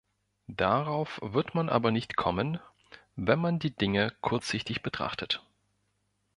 Darauf wird man aber nicht kommen, wenn man die Dinge kurzsichtig betrachtet.